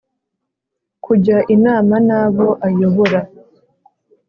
kujya inama n abo ayobora